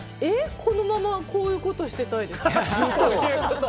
このままこういうことしてたいです。